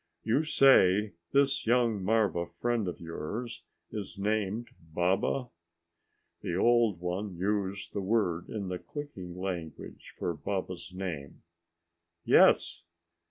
"You say this young marva friend of yours is named Baba?" The old one used the word in the clicking language for Baba's name. "Yes."